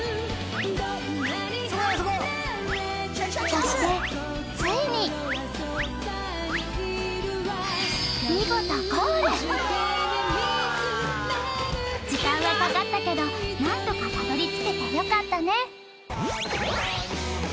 そしてついに時間はかかったけど何とかたどり着けてよかったね